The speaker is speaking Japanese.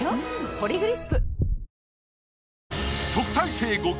「ポリグリップ」